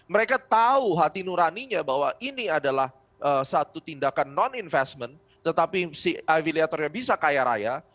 mereka tahu hati nuraninya bahwa ini adalah satu tindakan non investment tetapi si afiliatornya bisa kaya raya